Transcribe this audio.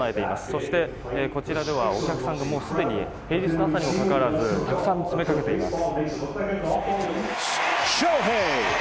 そしてこちらではお客さんが平日の朝にもかかわらずたくさん詰めかけています。